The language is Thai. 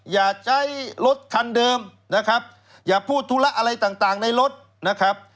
อย่าใช้รถคันเดิมนะครับอย่าพูดธุระอะไรต่างในรถนะครับ